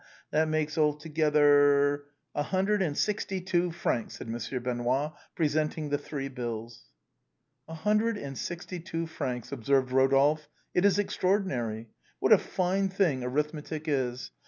That makes alto gether—?'' " A hundred and sixty two francs," said Monsieur Benoît, presenting the three bills. " A hundred and sixty two francs," observed Eodolphe, " it is extraordinary. What a fine thing arithmetic is.